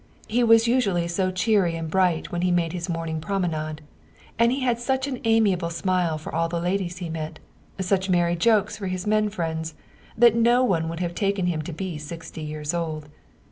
He was usually so cheery and bright when he made his morning promenade, and had such an amiable smile for all the ladies he met, such merry jokes for his men friends, that no one would have taken him to be sixty years old.